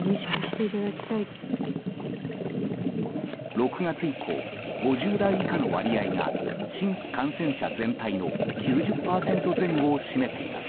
６月以降、５０代以下の割合が新規感染者全体の９０％前後を占めています。